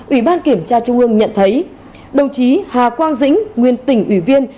ủy ban kiểm tra trung ương nhận thấy đồng chí hà quang dĩnh nguyên tỉnh ủy viên